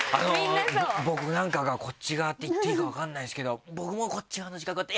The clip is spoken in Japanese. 「僕なんかがこっち側って言っていいか分かんないんですけど僕もこっち側の自覚あって」。